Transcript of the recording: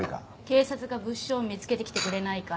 警察が物証を見つけてきてくれないから。